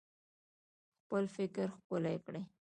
خپل فکر ښکلی کړئ